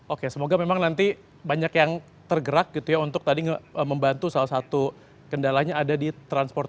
oke semoga memang nanti banyak yang tergerak gitu ya untuk tadi membantu salah satu kendalanya ada di transportasi